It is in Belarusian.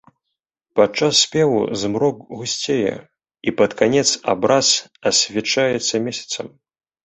Падчас спеву змрок гусцее, і пад канец абраз асвячаецца месяцам.